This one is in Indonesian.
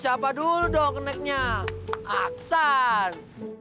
siapa dulu dong neknya aksan